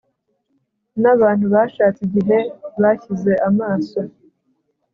n'abantu bashatse igihe bashyize amaso